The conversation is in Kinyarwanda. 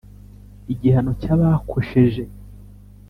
igihano cy’abakosheje